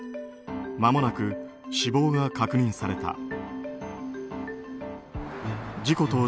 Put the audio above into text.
まもなく死亡が確認された。